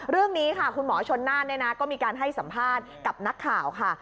เรื่องนี้ค่ะคุณหมอชนน่านก็มีการให้สัมภาษณ์กับนักข่าวค่ะ